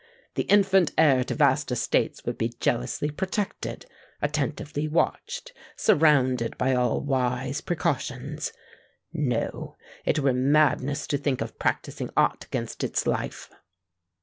The infant heir to vast estates would be jealously protected—attentively watched—surrounded by all wise precautions:—no—it were madness to think of practising aught against its life."